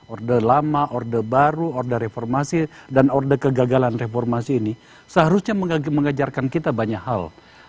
orde lama orde baru orde reformasi dan orde kegagalan reformasi ini seharusnya mengajarkan kita banyak hal